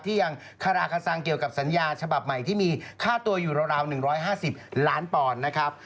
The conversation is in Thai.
ยังคาราคสังเกี่ยวกับสัญญาฉบับใหม่ที่มีค่าตัวอยู่ราว๑๕๐ล้านปอนด์นะครับ